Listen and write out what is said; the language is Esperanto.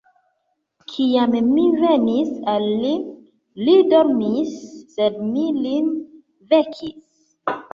Kiam mi venis al li, li dormis; sed mi lin vekis.